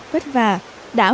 yêu mê lời